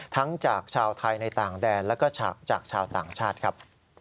ทั้งจากชาวไทยในต่างแดนแล้วก็จากชาวต่างชาติครับ